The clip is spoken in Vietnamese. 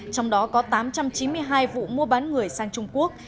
trong đó có tám trăm chín mươi hai vụ mua bán người sang trung quốc